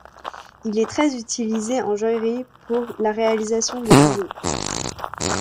Il est très utilisé en joaillerie pour la réalisation de bijoux.